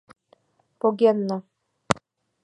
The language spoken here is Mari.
— Погенна.